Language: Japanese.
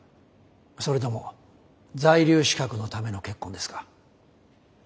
それとも在留資格のための結婚ですか？